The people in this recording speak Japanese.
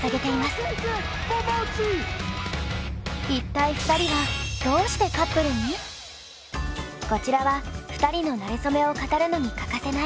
一体２人はこちらは２人のなれそめを語るのに欠かせない「なれそメモ」！